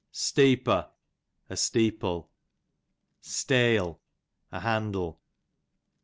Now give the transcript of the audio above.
Steepo, a steeple. Steyl, a handle.